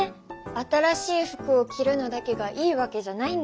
新しい服を着るのだけがいいわけじゃないんだね。